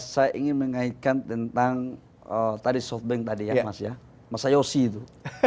saya ingin mengaitkan tentang softbank tadi ya mas ya mas sayosi itu